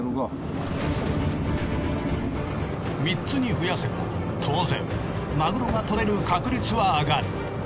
３つに増やせば当然マグロが獲れる確率は上がる。